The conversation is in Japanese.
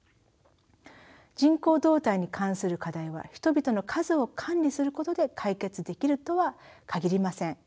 人口動態に関する課題は人々の数を管理することで解決できるとは限りません。